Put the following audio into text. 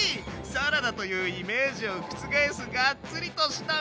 サラダというイメージを覆すガッツリとした見た目！